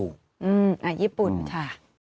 อืมอ่ะญี่ปุ่นค่ะ